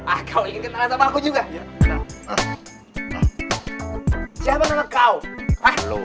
ah kau ingin kenalan sama aku juga